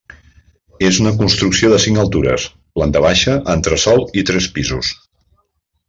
És una construcció de cinc altures, planta baixa, entresòl i tres pisos.